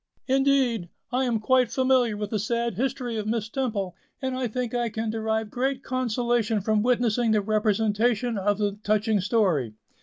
"Indeed! I am quite familiar with the sad history of Miss Temple, and I think I can derive great consolation from witnessing the representation of the touching story."